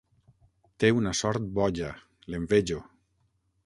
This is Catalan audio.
Té una sort boja: l'envejo.